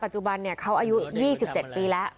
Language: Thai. จุบันเขาอายุ๒๗ปีแล้ว